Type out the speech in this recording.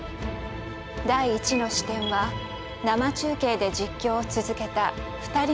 第１の視点は生中継で実況を続けた２人の報道マン。